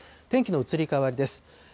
天気の移り変わりです。